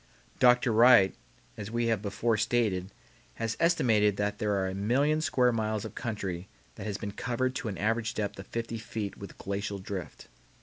Dr. Wright as we have before stated has estimated that there are a million square miles of country that has been covered to an average depth of fifty feet with glacial drift.